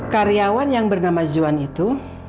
karyawan yang bernama zuan itu